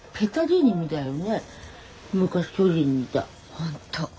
本当。